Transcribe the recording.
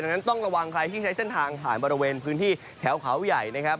ดังนั้นต้องระวังใครที่ใช้เส้นทางผ่านบริเวณพื้นที่แถวเขาใหญ่นะครับ